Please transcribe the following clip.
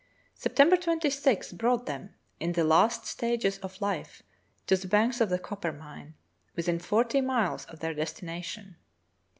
September 26 brought them, in the last stages of life, to the banks of the Coppermine, within forty miles of their destination.